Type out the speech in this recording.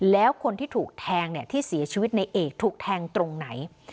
แล้วคนที่ถูกแทงที่เสียชีวิตในเอกถูกแทงตรงไหน